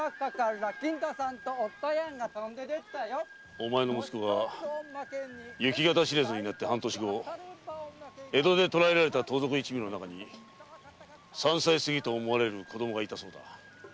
お前の息子が行き方知れずになって半年後江戸で捕らえられた盗賊一味に三歳過ぎの子供がいたそうだ。